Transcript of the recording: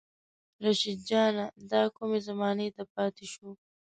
رشيد جانه دا کومې زمانې ته پاتې شو